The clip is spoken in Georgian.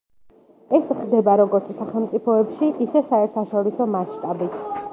ეს ხდება როგორც სახელმწიფოებში, ისე საერთაშორისო მასშტაბით.